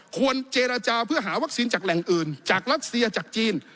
ควรเจรจาเพื่อหาวัคซีนจากแหล่งอื่นจากรัสเซียจากจีน